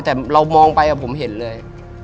แต่เรามองไปผมเห็นเลย